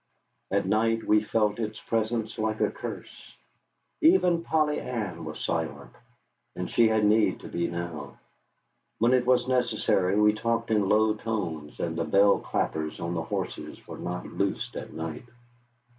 At night we felt its presence, like a curse. Even Polly Ann was silent. And she had need to be now. When it was necessary, we talked in low tones, and the bell clappers on the horses were not loosed at night.